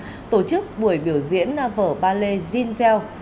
và tổ chức buổi biểu diễn vở ballet zinzel